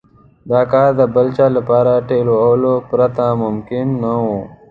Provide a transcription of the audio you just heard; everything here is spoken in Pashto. دا کار د بل چا د ټېل وهلو پرته ممکن نه و.